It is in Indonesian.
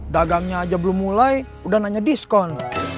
dagangnya aja belum mulai udah nanya diskon